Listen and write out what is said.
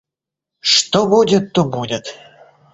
Что будет, то будет!